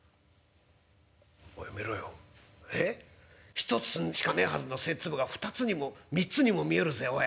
１つしかねえはずの賽っ粒が２つにも３つにも見えるぜおい。